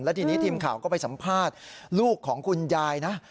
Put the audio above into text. ทีนี้ทีมข่าวก็ไปสัมภาษณ์ลูกของคุณยายนะ